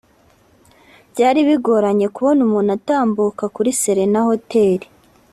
Byari bigoranye kubona umuntu utambuka kuri Serena Hotel